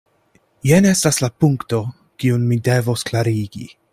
Jen estas la punkto, kiun mi devos klarigi.